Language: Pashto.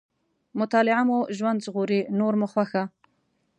مطالعه مو ژوند ژغوري، نور مو خوښه.